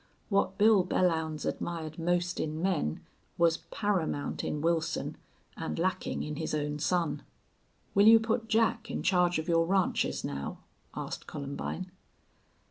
What Bill Belllounds admired most in men was paramount in Wilson and lacking in his own son. "Will you put Jack in charge of your ranches, now?" asked Columbine.